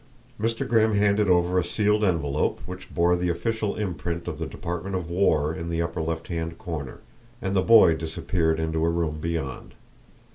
Mr. Grimm handed over a sealed envelope which bore the official imprint of the Department of War in the upper left hand corner; and the boy disappeared into a room beyond.